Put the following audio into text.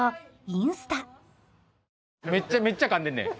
めちゃめちゃかんでんねん。